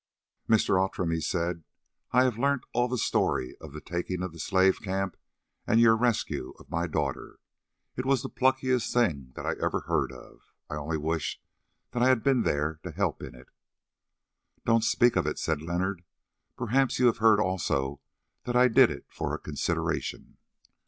"Mr. Outram," he said, "I have learnt all the story of the taking of the slave camp and your rescue of my daughter. It was the pluckiest thing that I ever heard of, and I only wish that I had been there to help in it." "Don't speak of it!" said Leonard. "Perhaps you have heard also that I did it for a consideration."